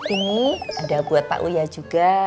ini ada buat pak uya juga